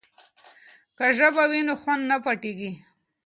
که ژبه وي نو خوند نه پټیږي.